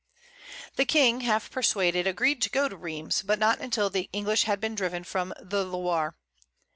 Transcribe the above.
The King, half persuaded, agreed to go to Rheims, but not until the English had been driven from the Loire.